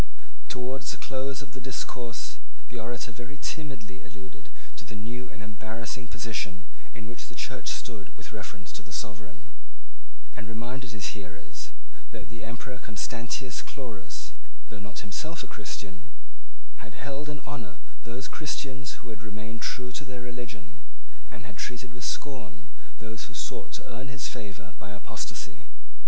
Towards the close of the discourse the orator very timidly alluded to the new and embarrassing position in which the Church stood with reference to the sovereign, and reminded his hearers that the Emperor Constantius Chlorus, though not himself a Christian, had held in honour those Christians who remained true to their religion, and had treated with scorn those who sought to earn his favour by apostasy.